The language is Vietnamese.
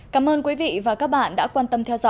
cảm ơn quý vị và các bạn